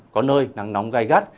có nơi nắng nóng gai gắt